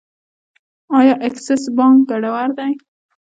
آیا اکسس بانک ګټور دی؟